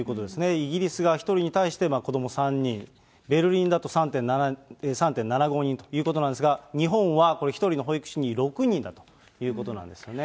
イギリスが１人に対して子ども３人、ベルリンだと３．７５人ということなんですが、日本はこれ、１人の保育士に６人だということなんですよね。